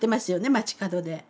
街角で。